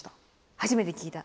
初めて聞いた？